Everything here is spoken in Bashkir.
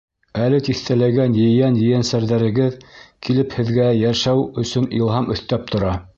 Әле тиҫтәләгән ейән-ейәнсәрҙәрегеҙ килеп Һеҙгә йәшәү өсөн илһам өҫтәп тора.